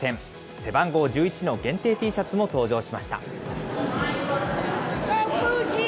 背番号１１の限定Ｔシャツも登場しました。